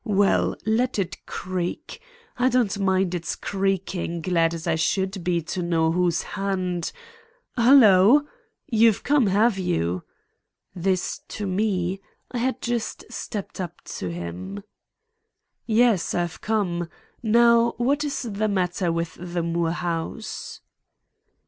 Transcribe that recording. Well, let it creak! I don't mind its creaking, glad as I should be to know whose hand—Halloo! You've come, have you?" This to me. I had just stepped up to him. "Yes, I've come. Now what is the matter with the Moore house?"